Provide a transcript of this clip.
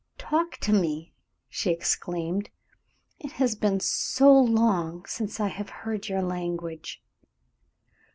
"Talk to me," she exclaimed. "It has been so long since I have heard your language."